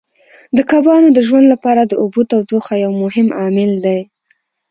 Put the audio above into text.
د کبانو د ژوند لپاره د اوبو تودوخه یو مهم عامل دی.